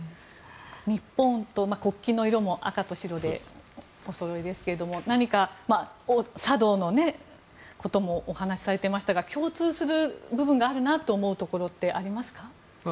日本と国旗の色も赤と白でおそろいですけども茶道のこともお話しされていましたが共通する部分があるなと思うところはありますか。